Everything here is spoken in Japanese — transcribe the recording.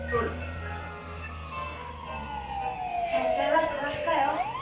先生は詳しかよ。